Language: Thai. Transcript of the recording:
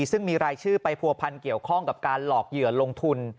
ซึ่งมีรายชื่อไปผัวพันเกี่ยวข้องกับการหลอกเหยื่อลงทุน